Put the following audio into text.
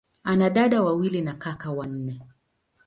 Ana dada wawili na kaka wanne.